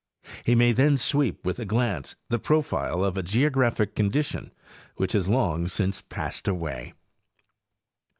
He may then sweep with a glance the profile of a geographic condition which has long since passed away.